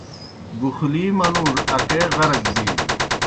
بُغلِی منُوڙوْ اکے غرق بِینوْ۔